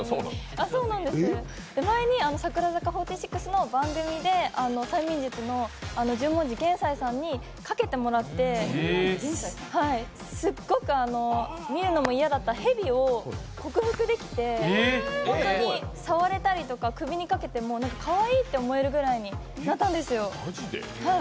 前に櫻坂４６の番組で催眠術の十文字幻斎さんにかけてもらって、すっごく見るのも嫌だった蛇を克服できて本当に触れたりとか首にかけてもかわいいと思えるくらいになったんですよ。